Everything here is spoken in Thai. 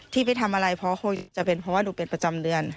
ที่ไปทำอะไรเพราะว่าหนูเป็นประจำเดือน